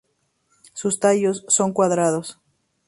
Sus tallos son cuadrados.